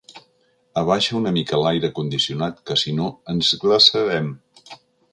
Abaixa una mica l'aire condicionat, que si no ens glaçarem.